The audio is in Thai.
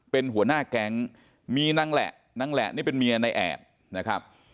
เป็นหัวหน้าแก๊งมีนางแหละนางแหละนี่เป็นเมียในแอดนะครับ